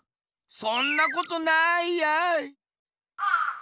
そんなことないやい。